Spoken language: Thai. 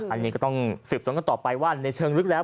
อันนี้ก็ต้องสืบสวนกันต่อไปว่าในเชิงลึกแล้ว